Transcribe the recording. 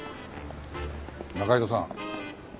仲井戸さん。